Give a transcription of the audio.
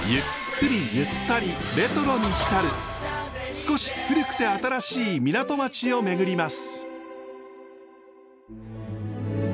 少し古くて新しい港町を巡ります。